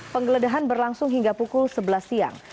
penggeledahan berlangsung hingga pukul sebelas siang